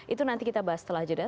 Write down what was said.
itu nanti kita bahas setelah jeda